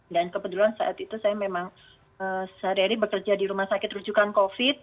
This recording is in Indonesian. dan kebetulan saat itu saya memang sehari hari bekerja di rumah sakit rujukan covid sembilan belas